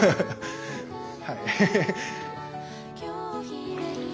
はい。